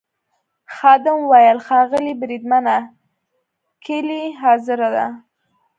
خادم وویل: ښاغلی بریدمنه کیلۍ حاضره ده.